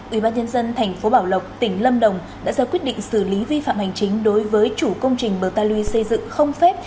ubnd tp bảo lộc tỉnh lâm đồng đã ra quyết định xử lý vi phạm hành chính đối với chủ công trình bờ ta luy xây dựng không phép